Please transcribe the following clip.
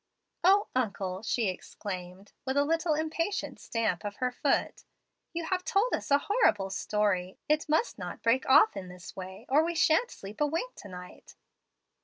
"O uncle!" she exclaimed, with a little impatient stamp of the foot, "you have told us a horrible story. It must not break off in this way, or we sha'n't sleep a wink to night.